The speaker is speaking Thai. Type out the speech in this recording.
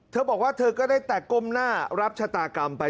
เธอบอกว่าเธอก็ได้แต่ก้มหน้ารับชะตากรรมไป